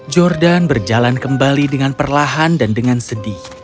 jordan berjalan kembali dengan perlahan dan dengan sedih